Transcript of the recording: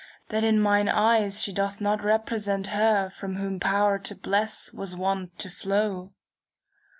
That in mine eyes she doth not represent Her from whom power to bless was wont to flow."